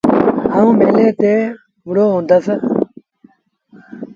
آئوٚݩ ميلي تي وُهڙو هُندس۔